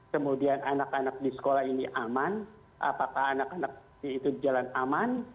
kemudian anak anak di sekolah ini aman apakah anak anak itu jalan aman